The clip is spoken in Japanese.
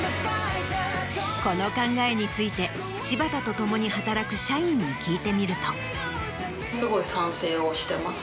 この考えについて柴田と共に働く社員に聞いてみると。